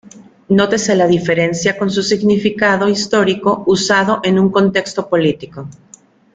Nótese la diferencia con su significado histórico usado en un contexto político.